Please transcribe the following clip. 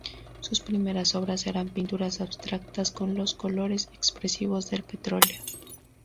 Sus primeras obras eran pinturas abstractas, con los colores expresivos del petróleo.